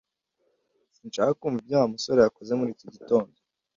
Sinshaka kumva ibyo Wa musore yakoze muri iki gitondo